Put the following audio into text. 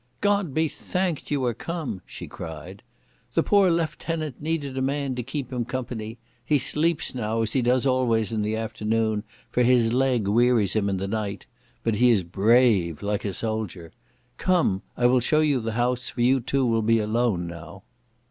"God be thanked you are come," she cried. "The poor lieutenant needed a man to keep him company. He sleeps now, as he does always in the afternoon, for his leg wearies him in the night.... But he is brave, like a soldier.... Come, I will show you the house, for you two will be alone now."